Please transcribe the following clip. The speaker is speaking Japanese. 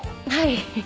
はい。